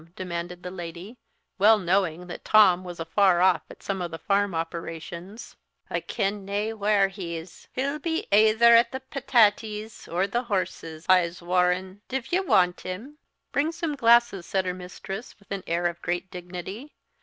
demanded the lady, well knowing that Tom was afar off at some of the farm operations. "I ken nae whar he's. He'll be aether at the patatees, or the horses, I'se warran. Div ye want him?" "Bring some glasses," said her mistress, with an air of great dignity.